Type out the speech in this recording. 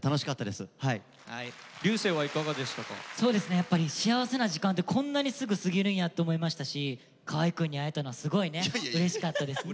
やっぱり幸せな時間ってこんなにすぐ過ぎるんやって思いましたし河合くんに会えたのはすごいねうれしかったですね。